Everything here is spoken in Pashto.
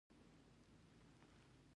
دوی د نوي کال پر مهال ډېر لګښت کوي.